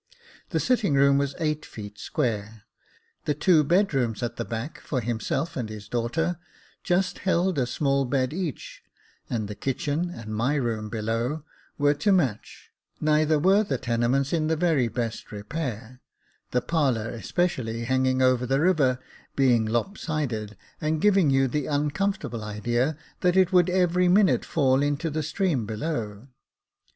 The sitting room was eight feet square, the two bed rooms at the back, for himself and his daughter, just held a small bed each, and the kitchen, and my room below, were to match ; neither were the tenements in the very best repair, the parlour especially, hanging over the river, being lop sided, and giving you the uncomfortable idea that it would every minute fall into the stream below.